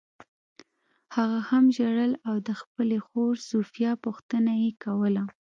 هغه هم ژړل او د خپلې خور سوفیا پوښتنه یې کوله